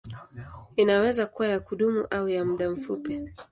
Inaweza kuwa ya kudumu au ya muda mfupi.